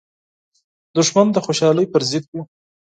دښمن د خوشحالۍ پر ضد وي